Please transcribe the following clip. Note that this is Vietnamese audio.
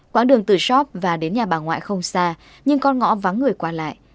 quãng đường từ shop và đến nhà bà ngoại không xa nhưng con ngõ vắng người qua lại